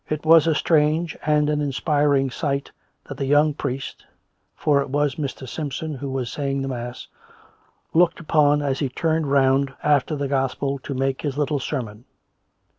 ... It was a strange and an inspiriting sight that the young priest (for it was Mr. Simps'on who was saying the mass) looked upon as he turned round after the gospel to make his little sermon.